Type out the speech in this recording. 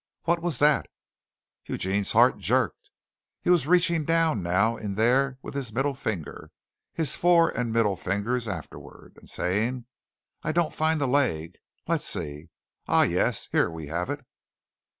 What was that? Eugene's heart jerked. He was reaching down now in there with his middle finger his fore and middle fingers afterwards, and saying, "I don't find the leg. Let's see. Ah, yes. Here we have it!"